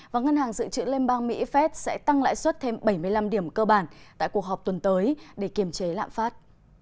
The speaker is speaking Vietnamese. và ngân hàng dự trữ liên bang mỹ phép sẽ tăng lãi suất thêm bảy mươi năm điểm cơ bản tại cuộc họp tuần tới để kiềm chế lạm phát